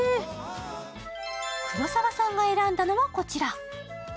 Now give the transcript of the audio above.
黒沢さんが選んだのはこちら。